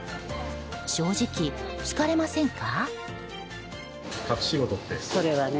正直、疲れませんか？